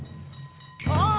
ああ！